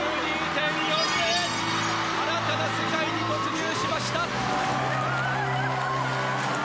新たな世界に突入しました。